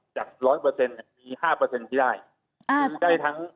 จาก๑๐๐มี๕ที่ได้